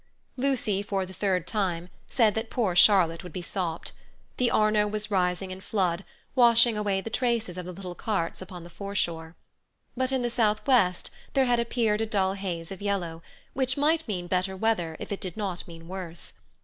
Lucy, for the third time, said that poor Charlotte would be sopped. The Arno was rising in flood, washing away the traces of the little carts upon the foreshore. But in the south west there had appeared a dull haze of yellow, which might mean better weather if it did not mean worse.